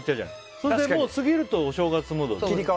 それで過ぎるとお正月モードに。